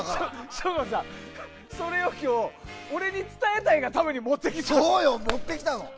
省吾さん、それを今日俺に伝えたいがためにそうよ、持ってきたの！